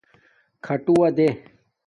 کھاٹووہ دیں